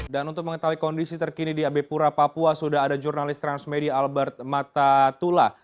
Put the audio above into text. dan untuk mengetahui kondisi terkini di abe pura papua sudah ada jurnalis transmedia albert matatula